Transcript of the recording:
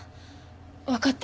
わかった。